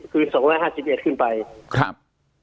คือ๒๕๑ขึ้นไปครับ